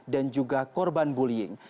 dan juga korban bullying